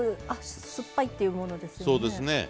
あっ酸っぱいっていうものですよね。